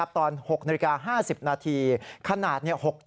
ตอน๖นาฬิกา๕๐นาทีขนาด๖๗